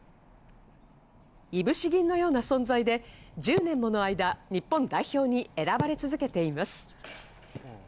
いぶし銀のような存在で１０年もの間、日本代表に選ばれ続けています。